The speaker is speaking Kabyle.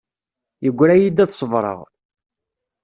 Yegra-yi-d ad ṣebṛeɣ.